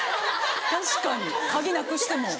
確かに鍵なくしても。